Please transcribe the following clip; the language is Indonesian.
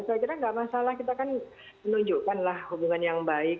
saya kira nggak masalah kita kan menunjukkanlah hubungan yang baik